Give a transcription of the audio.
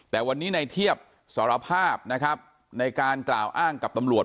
แต่วันนี้ในเทียบสารภาพนะครับในการกล่าวอ้างกับตำรวจ